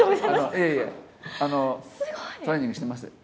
いえいえ、トレーニングしてます。